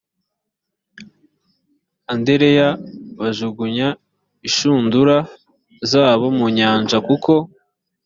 andereya bajugunya inshundura zabo mu nyanja kuko